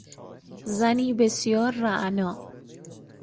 زنی بسیار رعنا